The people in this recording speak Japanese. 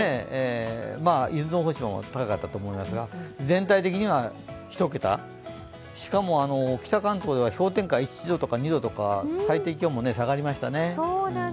伊豆のほうも高かったと思いますが、全体的には１桁、しかも北関東では氷点下１度とか２度とか最低気温も下がりましたね。